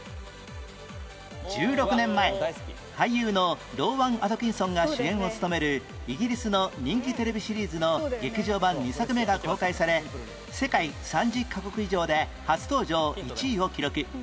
１６年前俳優のローワン・アトキンソンが主演を務めるイギリスの人気テレビシリーズの劇場版２作目が公開され世界３０カ国以上で初登場１位を記録